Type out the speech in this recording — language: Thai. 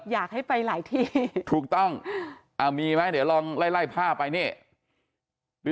อยากให้ไปหลายที่ถูกต้องมีไหมเดี๋ยวลองไล่ไล่ภาพไปนี่